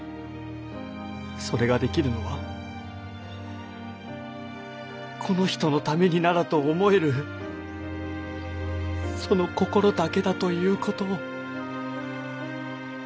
それができるのはこの人のためにならと思えるその心だけだということを。